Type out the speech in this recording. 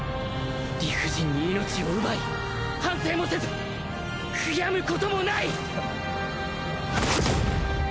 理不尽に命を奪い反省もせず悔やむこともない